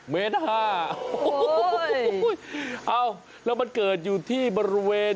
๑๕เมตรโอ้โหแล้วมันเกิดอยู่ที่บริเวณ